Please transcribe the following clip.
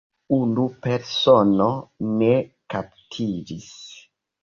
Unu persono ne kaptiĝis.